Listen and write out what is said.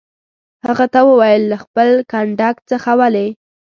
هغه ته وویل: له خپل کنډک څخه ولې.